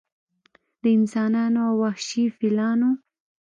د انسانانو او وحشي فیلانو